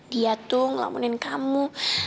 dia tuh ngelamunin kamu